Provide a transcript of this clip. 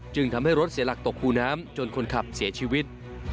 ทำให้รถเสียหลักตกคูน้ำจนคนขับเสียชีวิต